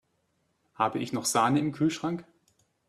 Habe ich noch Sahne im Kühlschrank?